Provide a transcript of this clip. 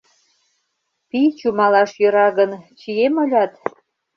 Пий чумалаш йӧра гын, чием ылят...